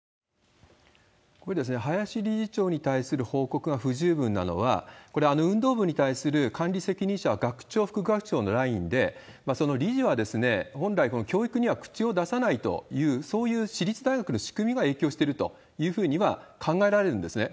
これ、林理事長に対する報告が不十分なのは、これは運動部に対する管理責任者は学長、副学長のラインで、その理事は、本来教育には口を出さないという、そういう私立大学の仕組みが影響しているというふうには考えられるんですね。